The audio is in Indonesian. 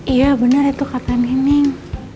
iya bener itu kata neneng